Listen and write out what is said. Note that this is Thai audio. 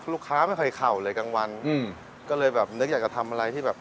ลูกค้าไม่ค่อยเข่าเลยกลางวันอืมก็เลยแบบนึกอยากจะทำอะไรที่แบบ